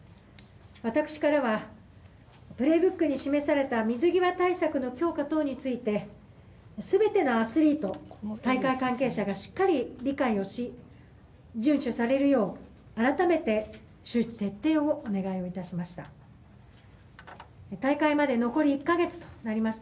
私からは「プレイブック」に示された水際対策の強化等について全てのアスリート大会関係者がしっかり理解をし順守されるよう改めて周知徹底をお願い致しました。